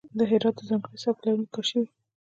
د هرات د ځانګړی سبک لرونکی کاشي وې.